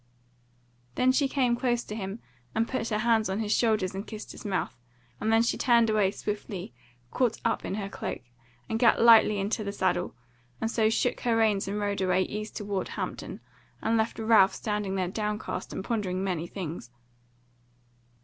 Then she came close to him and put her hands on his shoulders and kissed his mouth; and then she turned away swiftly, caught up her cloak, and gat lightly into the saddle, and so shook her reins and rode away east toward Hampton, and left Ralph standing there downcast and pondering many things.